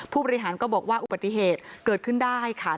ผู้บริหารก็บอกว่าอุบัติเหตุเกิดขึ้นได้ค่ะ